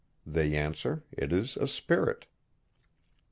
They answer, it is a spirit.